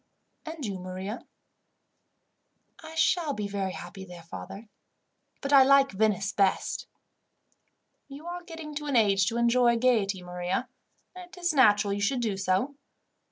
"And you, Maria?" "I shall be very happy there, father, but I like Venice best." "You are getting to an age to enjoy gaiety, Maria; and it is natural you should do so.